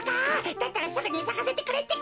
だったらすぐにさかせてくれってか。